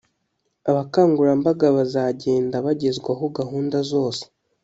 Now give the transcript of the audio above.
abakangurambaga bazagenda bagezwaho gahunda zose,